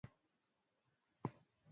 serikali inatathmini kiwango gani kinadaiwa